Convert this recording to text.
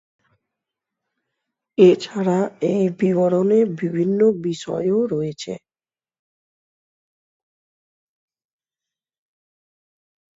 এছাড়া, এই বিবরণে বিভিন্ন বিষয়ও রয়েছে।